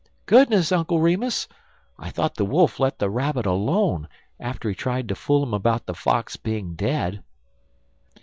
"Goodness, Uncle Remus! I thought the Wolf let the Rabbit alone, after he tried to fool him about the Fox being dead."